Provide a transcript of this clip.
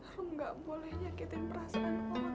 rumah enggak boleh menyakitkan perasaan orang baik dari amin